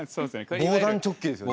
防弾チョッキですね。